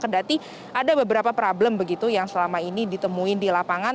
kendati ada beberapa problem begitu yang selama ini ditemuin di lapangan